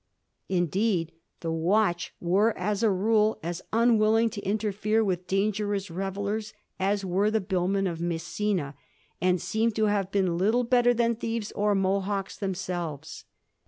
Indeed, the watch were as a rule as unwilling to interfere with dangerous revellers as were the biUmen of Messina, and seem to have been little better than thieves or Mohocks themselves.